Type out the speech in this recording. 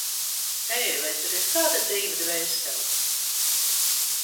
Hei, vai tur ir kāda dzīva dvēsele?